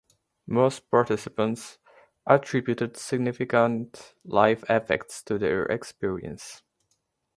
Most participants attributed significant life effects to their experience.